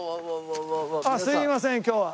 あっすいません今日は。